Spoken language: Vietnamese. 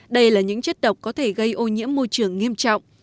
đây là những chất độc có thể gây ô nhiễm môi trường nghiêm trọng